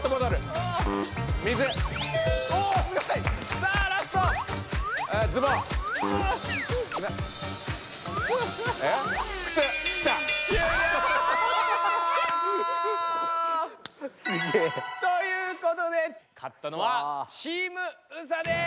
さあラスト！ということで勝ったのはチームＳＡです！